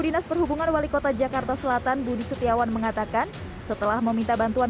dinas perhubungan wali kota jakarta selatan budi setiawan mengatakan setelah meminta bantuan